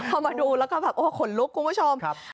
พอมาดูแล้วก็แบบโอ้ขนลุกคุณผู้ชม